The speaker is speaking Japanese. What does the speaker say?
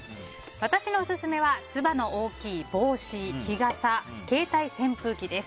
私のオススメはつばの大きい帽子、日傘携帯扇風機です。